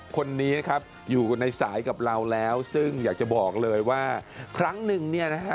คนนี้นะครับอยู่ในสายกับเราแล้วซึ่งอยากจะบอกเลยว่าครั้งหนึ่งเนี่ยนะฮะ